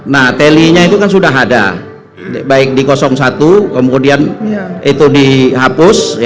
nah telinya itu kan sudah ada baik di satu kemudian itu dihapus